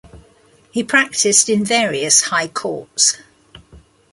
He Practiced in various High Courts.